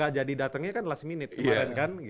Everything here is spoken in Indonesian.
gak jadi datengnya kan last minute